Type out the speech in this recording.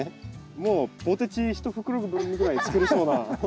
もうポテチ一袋分ぐらい作れそうな。